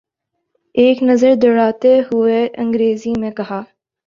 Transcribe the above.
ایک نظر دوڑاتے ہوئے انگریزی میں کہا۔